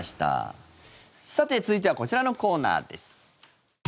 さて、続いてはこちらのコーナーです。